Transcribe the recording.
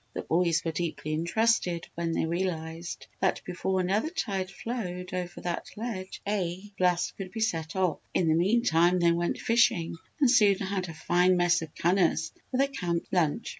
The boys were deeply interested when they realised that before another tide flowed over that ledge a blast could be set off. In the meantime, they went fishing and soon had a fine mess of cunners for their camp lunch.